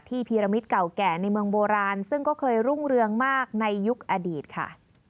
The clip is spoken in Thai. พีรมิตรเก่าแก่ในเมืองโบราณซึ่งก็เคยรุ่งเรืองมากในยุคอดีตค่ะ